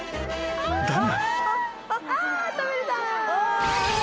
［だが］